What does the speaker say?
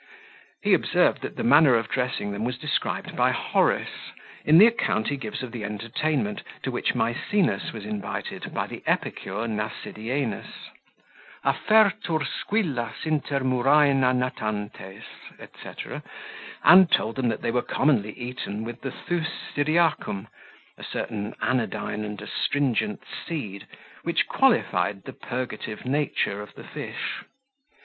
He observed that the manner of dressing them was described by Horace, in the account he gives of the entertainment to which Maecenas was invited by the epicure Nasidienus: Affertur squillas inter muraena natantes, etc. and told them that they were commonly eaten with the thus Syriacum, a certain anodyne and astringent seed, which qualified the purgative nature of the fish.